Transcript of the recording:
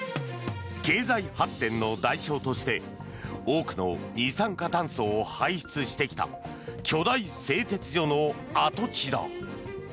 経済発展の代償として多くの二酸化炭素を排出してきた巨大製鉄所の跡地だ。